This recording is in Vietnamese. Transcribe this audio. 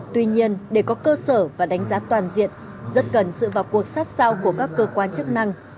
tuy nhiên để có cơ sở và đánh giá toàn diện rất cần sự vào cuộc sát sao của các cơ quan chức năng